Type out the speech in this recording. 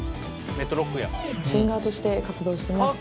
シンガーとして活動してます。